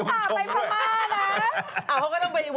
ทุกคนทหารรับไปพระม่าแล้ว